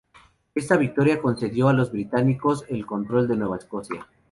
Esta victoria concedió a los británicos el control de Nueva Escocia.